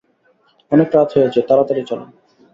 অনেক রাত হয়েছে, তাড়াতাড়ি চল।